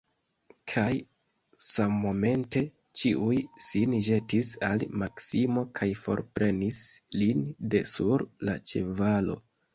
Kaj sammomente ĉiuj sin ĵetis al Maksimo kaj forprenis lin de sur la ĉevalo.